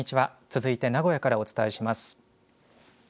続いて名古屋からお伝えします。